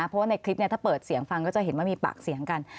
เพราะว่าในคลิปถ้าเปิดเสียงฟังก็จะเห็นว่ามีปากเสียงกัน